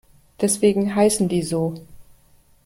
Deswegen heißen die so.